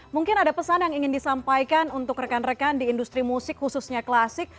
mungkin ada pesan yang ingin disampaikan untuk rekan rekan di industri musik khususnya klasik